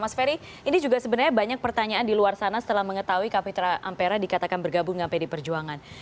mas ferry ini juga sebenarnya banyak pertanyaan di luar sana setelah mengetahui kapitra ampera dikatakan bergabung dengan pd perjuangan